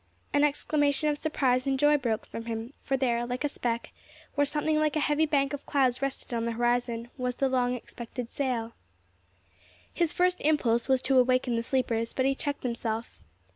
An exclamation of surprise and joy broke from him, for there, like a speck, where something like a heavy bank of clouds rested on the horizon, was the long expected sail. His first impulse was to awaken the sleepers, but he checked himself.